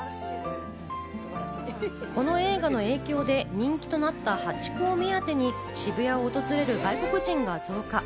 この映画の影響で人気となったハチ公を目当てに渋谷を訪れる外国人が増加。